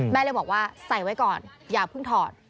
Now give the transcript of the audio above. เลยบอกว่าใส่ไว้ก่อนอย่าเพิ่งถอด